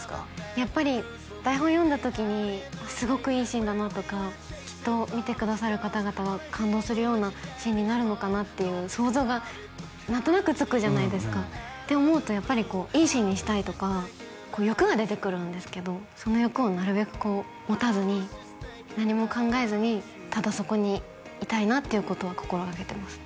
やっぱり台本読んだ時にすごくいいシーンだなとかきっと見てくださる方々は感動するようなシーンになるのかなっていう想像が何となくつくじゃないですかって思うとやっぱりこういいシーンにしたいとか欲が出てくるんですけどその欲をなるべく持たずに何も考えずにただそこにいたいなっていうことは心掛けてますね